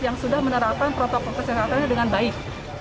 yang sudah menerapkan protokol kesehatannya dengan baik